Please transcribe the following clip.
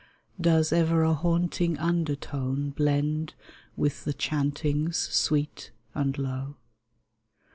Does ever a haunting undertone Blend with the chantings sweet and low